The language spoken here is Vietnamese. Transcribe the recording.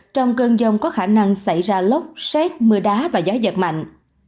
trong cơn rông có khả năng xảy ra lốc xét mưa đá và gió giật mạnh